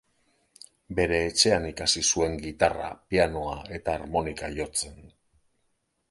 Bere etxean ikasi zuen gitarra, pianoa eta harmonika jotzen.